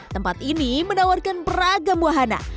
tempat ini menawarkan beragam wahana